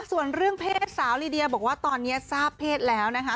ส่วนเรื่องเพศสาวลีเดียบอกว่าตอนนี้ทราบเพศแล้วนะคะ